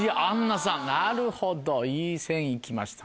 なるほどいい線行きました。